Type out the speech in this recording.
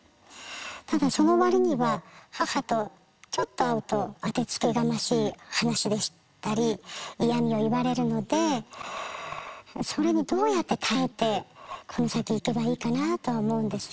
ただその割には母とちょっと会うと当てつけがましい話でしたり嫌みを言われるのでそれにどうやって耐えてこの先いけばいいかなとは思うんです。